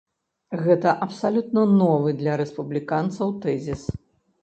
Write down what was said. Гэта абсалютна новы для рэспубліканцаў тэзіс.